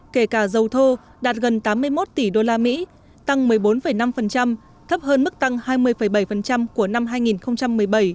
kể cả dầu thô đạt gần tám mươi một tỷ usd tăng một mươi bốn năm thấp hơn mức tăng hai mươi bảy của năm hai nghìn một mươi bảy